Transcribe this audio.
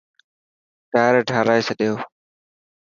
ٽائر ٺارائي ڇڏيو؟